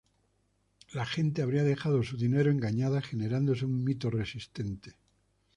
La gente habría dejado su dinero engañada generándose un mito resistente.